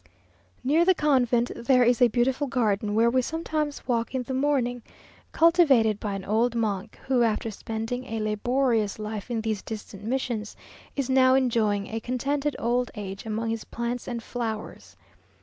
Near the convent there is a beautiful garden, where we sometimes walk in the morning, cultivated by an old monk, who, after spending a laborious life in these distant missions, is now enjoying a contented old age among his plants and flowers.